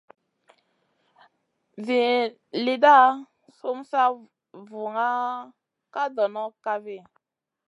Zin lida sum sa vuŋa ka dono kafi ?